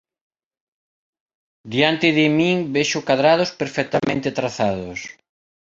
Diante de min vexo cadrados perfectamente trazados.